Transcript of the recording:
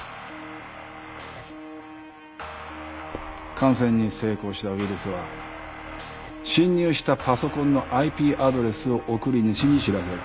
感染に成功したウイルスは侵入したパソコンのＩＰアドレスを送り主に知らせる。